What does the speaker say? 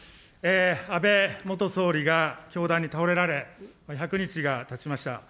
安倍元総理が凶弾に倒れられ、１００日がたちました。